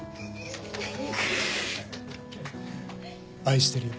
愛してる。